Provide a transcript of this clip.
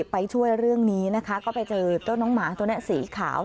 ไปช่วยเรื่องนี้นะคะก็ไปเจอเจ้าน้องหมาตัวนี้สีขาว